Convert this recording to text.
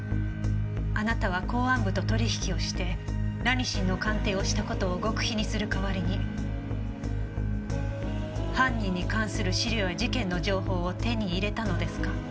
あなたは公安部と取引をしてラニシンの鑑定をした事を極秘にする代わりに犯人に関する資料や事件の情報を手に入れたのですか？